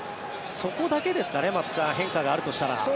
そこだけですかね松木さん、変化があるとしたら。